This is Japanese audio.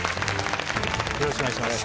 よろしくお願いします。